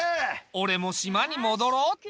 俺も島に戻ろうっと。